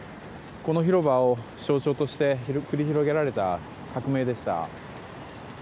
この広場を象徴として繰り広げられた革命でした。